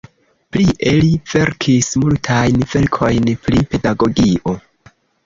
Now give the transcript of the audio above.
Plie li verkis multajn verkojn pri pedagogio.